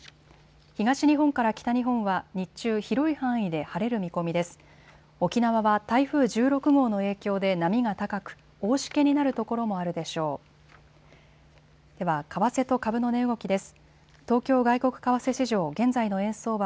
東日本から北日本は日中広い範囲で晴れる見込みです。